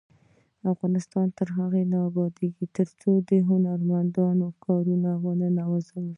افغانستان تر هغو نه ابادیږي، ترڅو د هنرمندانو کار ونه نازول شي.